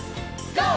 ＧＯ！